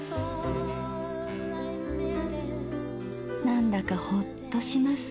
なんだかホッとします。